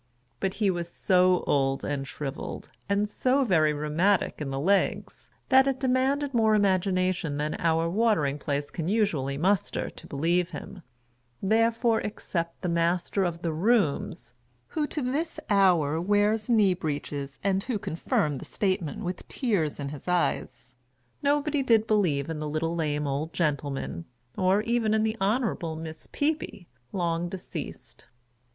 But he was so old and shrivelled, and so very rheumatic in the legs, that it demanded more imagination than our Watering Place can usually muster, to believe him ; therefore, except the Master of the " Rooms " (who to this hour wears knee breeches, and who confirmed the statement with tears in his eyes), nobody did believe in the little lame old gentleman, or even in the Honorable Miss Peepy, long deceased.